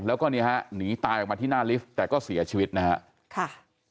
แล้วก็เนี่ยฮะหนีตายออกมาที่หน้าลิฟต์แต่ก็เสียชีวิตนะฮะค่ะ